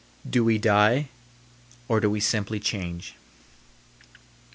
Do we die? Or do we simply change?